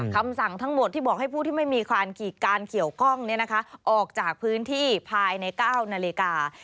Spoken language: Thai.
คำสั่งทั้งหมดที่บอกให้ผู้ที่ไม่มีความกี่การเกี่ยวกล้องออกจากพื้นที่ภายใน๙นาฬิกา